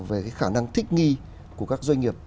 về khả năng thích nghi của các doanh nghiệp